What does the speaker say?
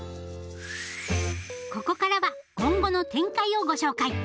ここからは今後の展開をご紹介！